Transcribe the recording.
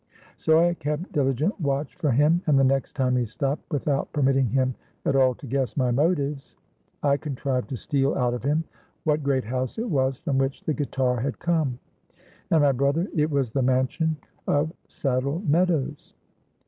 So I kept diligent watch for him; and the next time he stopped, without permitting him at all to guess my motives, I contrived to steal out of him what great house it was from which the guitar had come. And, my brother, it was the mansion of Saddle Meadows."